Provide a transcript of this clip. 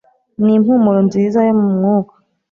N'impumuro nziza yo mu mwuka